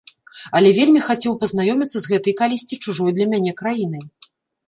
Але вельмі хацеў пазнаёміцца з гэтай калісьці чужой для мяне краінай.